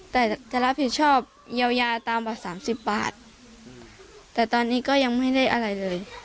แต่จะรับผิดชอบเยียวยาตามกว่าสามสิบบาทแต่ตอนนี้ก็ยังไม่ได้อะไรเลย